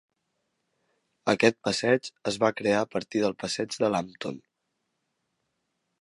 Aquest passeig es va crear a partir del passeig de Lambton.